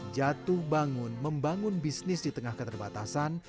jatuh bangun membangun bisnis di tengah keterbatasan